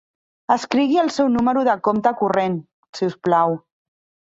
Escrigui el seu número de compte corrent, si us plau.